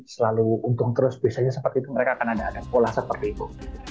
selalu untung terus biasanya seperti itu mereka akan ada ada pola seperti itu